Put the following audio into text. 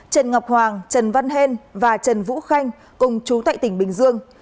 trần ngọc hoàng trần văn hen và trần vũ khanh cùng chú tại tỉnh bình dương